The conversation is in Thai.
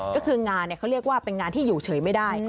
ก็คืองานเขาเรียกว่าเป็นงานที่อยู่เฉยไม่ได้